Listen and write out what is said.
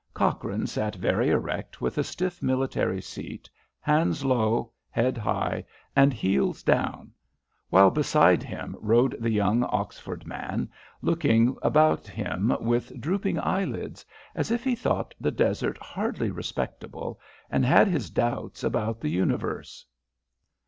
Cochrane sat very erect with a stiff military seat, hands low, head high, and heels down, while beside him rode the young Oxford man, looking about him with drooping eyelids as if he thought the desert hardly respectable, and had his doubts about the Universe.